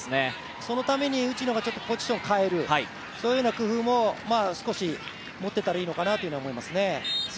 そのために内野がちょっとポジションを変える、そういうような工夫も少し持っていたらいいのかなと思いますね。